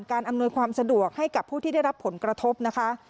อำนวยความสะดวกให้กับผู้ที่ได้รับผลกระทบนะคะ